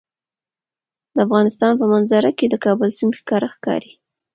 د افغانستان په منظره کې د کابل سیند ښکاره ښکاري.